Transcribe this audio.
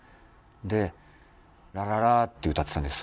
で「ららら」って歌ってたんです